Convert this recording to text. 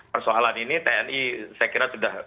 persoalan ini tni saya kira sudah